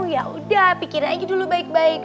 ya udah pikirin aja dulu baik baik